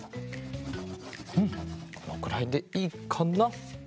うんこのくらいでいいかな？